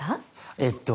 えっと